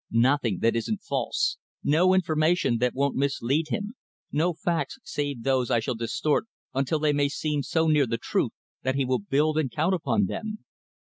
Nothing that isn't false, no information that won't mislead him, no facts save those I shall distort until they may seem so near the truth that he will build and count upon them.